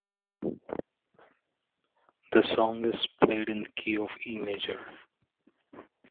The song is played in the key of E major.